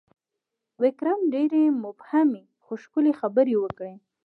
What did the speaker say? ویکرم ډېرې مبهمې، خو ښکلي خبرې وکړې: